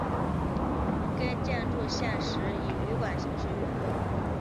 该建筑现时以旅馆形式运作。